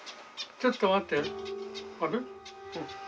ちょっと待って。